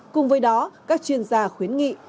cùng với đó các chuyên gia khuyến nghiệp